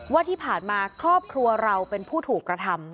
ว่าที่ผ่านมาครอบครัวเราเป็นผู้ถูกกระทำ